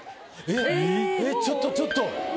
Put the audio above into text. えっちょっとちょっと。